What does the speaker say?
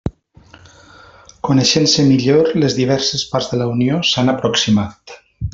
Coneixent-se millor, les diverses parts de la Unió s'han aproximat.